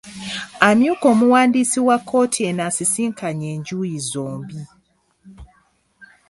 Amyuka Omuwandiisi wa kkooti eno asisinkanye enjuyi zombi.